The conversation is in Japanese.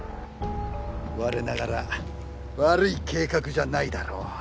我ながら悪い計画じゃないだろ？